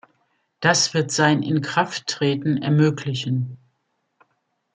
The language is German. Das wird sein Inkrafttreten ermöglichen.